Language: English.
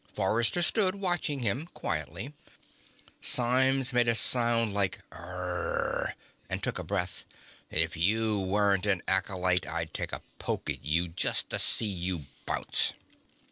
Forrester stood watching him quietly. Symes made a sound like Rrr and took a breath. "If you weren't an acolyte, I'd take a poke at you just to see you bounce."